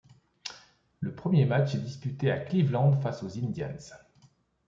Le premier match est disputé à Cleveland face aux Indians.